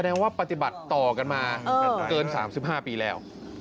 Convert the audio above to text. แสดงว่าปฏิบัติต่อกันมาเกิน๓๕ปีแล้ว